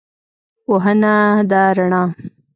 پوهنه ده رڼا